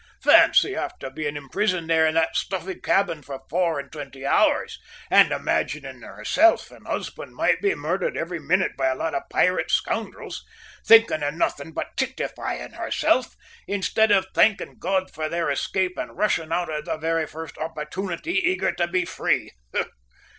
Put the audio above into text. Fancy, after being imprisoned there in that stuffy cabin for four and twenty hours and imagining herself and husband might be murdered every minute by a lot of pirate scoundrels, thinking of nothing but titifying herself, instead of thanking God for their escape and rushing out at the very first opportunity, eager to be free.